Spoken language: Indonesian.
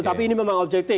tapi ini memang objektif